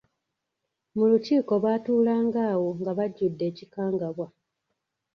Mu lukiiko baatuulanga awo nga bajjudde ekikangabwa.